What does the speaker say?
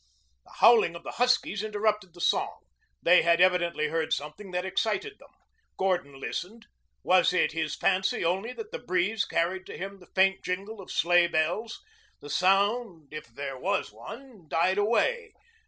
The howling of the huskies interrupted the song. They had evidently heard something that excited them. Gordon listened. Was it in his fancy only that the breeze carried to him the faint jingle of sleigh bells? The sound, if it was one, died away.